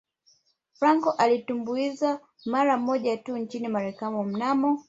Franco alitumbuiza mara moja tu nchini Marekani mnamo